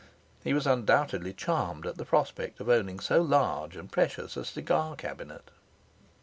He was undoubtedly charmed at the prospect of owning so large and precious a cigar cabinet.